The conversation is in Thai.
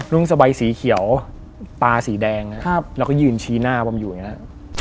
นุ่งสะใบสีเขียวตาสีแดงแล้วก็ยืนชี้หน้าปรับอยู่อย่างนี้